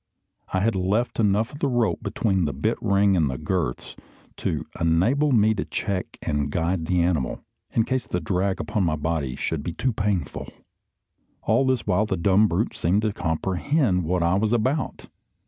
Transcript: I had left enough of the rope, between the bit ring and the girths, to enable me to check and guide the animal, in case the drag upon my body should be too painful. All this while the dumb brute seemed to comprehend what I was about.